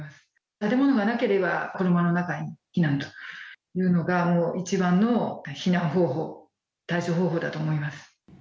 建物がなければ車の中に避難というのが一番の避難方法対処方法だと思います。